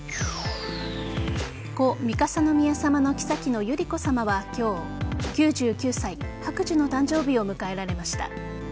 故・三笠宮さまのきさきの百合子さまは今日９９歳白寿の誕生日を迎えられました。